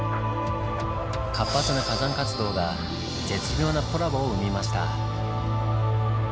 活発な火山活動が絶妙なコラボを生みました。